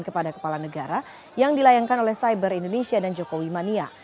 kepada kepala negara yang dilayangkan oleh cyber indonesia dan jokowi mania